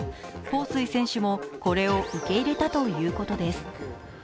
彭帥選手もこれを受け入れたということです。